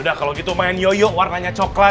udah kalau gitu main yoyo warnanya coklat